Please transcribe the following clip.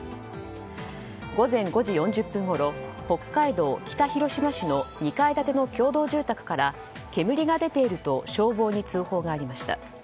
午前５時４０分ごろ北海道北広島市の２階建ての共同住宅から煙が出ていると消防に通報がありました。